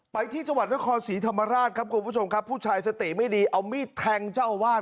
ไปที่จังหวัดนครศรีธรรมราชครับคุณผู้ชมครับผู้ชายสติไม่ดีเอามีดแทงเจ้าอาวาส